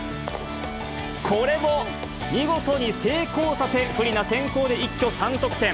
これも見事に成功させ、不利な先攻で一挙３得点。